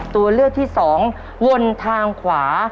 ตัวเลือกที่สองวนทางขวา